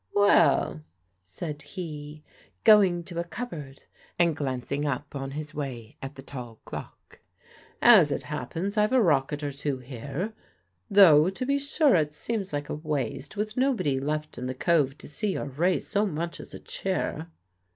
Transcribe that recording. "Well," said he, going to a cupboard, and glancing up on his way at the tall clock, "as it happens I've a rocket or two here though to be sure it seems like a waste, with nobody left in the Cove to see or raise so much as a cheer."